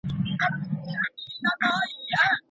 که ښار ته تلونکي موټر وپلټل سي، نو چاودیدونکي توکي نه ننوځي.